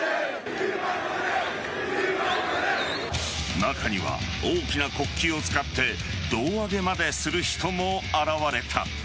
中には大きな国旗を使って胴上げまでする人も現れた。